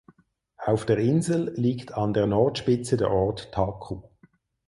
Auf der Insel liegt an der Nordspitze der Ort Taku.